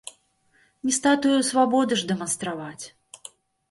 Не статую свабоды ж дэманстраваць.